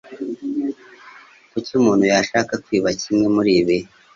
Kuki umuntu yashaka kwiba kimwe muribi?